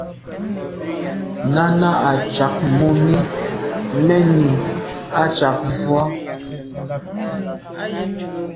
Náná à’ cǎk mùní mɛ́n ǐ á càk vwá.